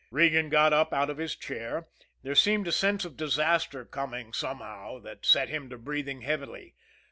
'" Regan got up out of his chair. There seemed a sense of disaster coming somehow that set him to breathing heavily.